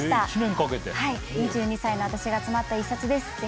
はい２２歳の私が詰まった１冊です。